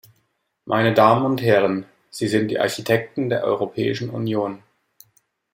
Meine Damen und Herren, Sie sind die Architekten der Europäischen Union.